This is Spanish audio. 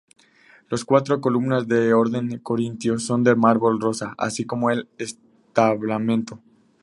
Las cuatro columnas de orden corintio son de mármol rosa, así como el entablamento.